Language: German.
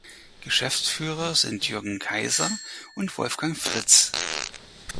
Geschäftsführer sind Jürgen Kaiser und Wolfgang Fritz.